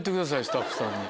スタッフさんに。